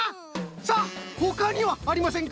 さあほかにはありませんか？